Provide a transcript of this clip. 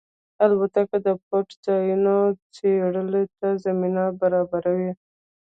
الوتکه د پټ ځایونو څېړلو ته زمینه برابروي.